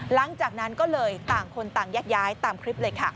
หลังจากนั้นก็เลยต่างคนต่างแยกย้ายตามคลิปเลยค่ะ